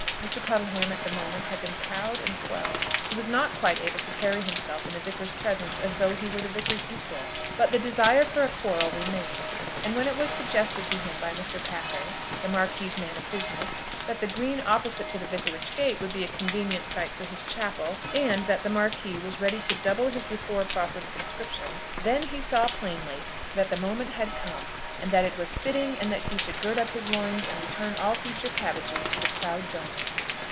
Mr. Puddleham at the moment had been cowed and quelled. He was not quite able to carry himself in the Vicar's presence as though he were the Vicar's equal. But the desire for a quarrel remained, and when it was suggested to him by Mr. Packer, the Marquis's man of business, that the green opposite to the Vicarage gate would be a convenient site for his chapel, and that the Marquis was ready to double his before proffered subscription, then he saw plainly that the moment had come, and that it was fitting that he should gird up his loins and return all future cabbages to the proud donor.